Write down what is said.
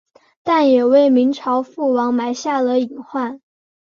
但也为明朝覆亡埋下了隐患。